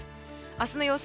明日の予想